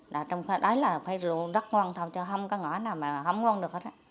đó là phải rượu rất ngon thôi chứ không có ngó nào mà không ngon được hết